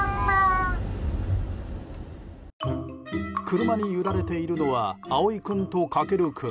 車に揺られているのはあおい君と、かける君。